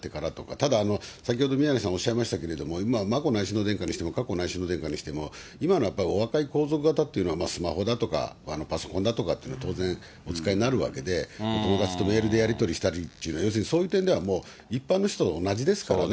ただ、先ほど宮根さんおっしゃいましたけど、眞子内親王殿下にしても、佳子内親王殿下にしても、今のやっぱりお若い皇族方っていうのは、スマホだとか、パソコンだとかっていうのは当然、お使いになるわけで、お友達とメールでやり取りしたり、要するに、そういう点では一般の人と同じですからね。